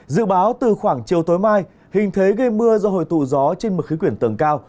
dự báo từ khoảng chiều tối mai hình thế gây mưa do hồi tụ gió trên mực khí quyển tầng cao